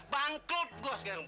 bangkrut gue sekarang